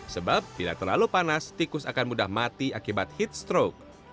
sebab bila terlalu panas tikus akan mudah mati akibat heat stroke